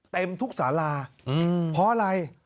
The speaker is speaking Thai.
เต็มทุกสาราเพราะอะไร